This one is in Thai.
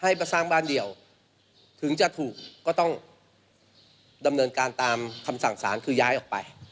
ให้มาสร้างบ้านเดียวถึงจะถูกก็ต้องดำเนินการตามคำสั่งสารคือย้ายออกไป